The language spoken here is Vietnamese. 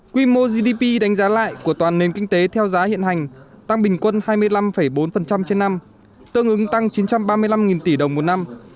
quy mô gdp đánh giá lại của toàn nền kinh tế theo giá hiện hành tăng bình quân hai mươi năm bốn trên năm tương ứng tăng chín trăm ba mươi năm tỷ đồng một năm